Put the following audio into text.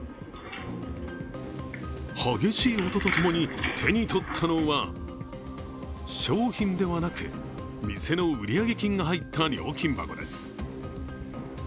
激しい音とともに手にとったのは、商品ではなく店の売上金が入った料金箱です。